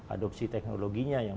adopsi teknologinya yang